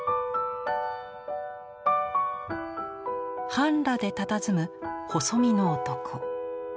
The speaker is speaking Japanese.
半裸でたたずむ細身の男。